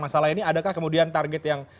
masalah ini adakah kemudian target yang